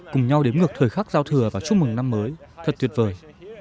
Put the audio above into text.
cùng nhau đếm ngược thời khắc giao thừa và chúc mừng năm mới thật tuyệt vời